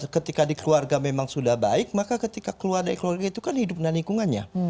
ketika dikeluarga memang sudah baik maka ketika keluarga keluarga itu kan hidup dan lingkungannya